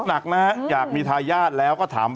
พี่โต๊ะอยากมีทายาทแล้ว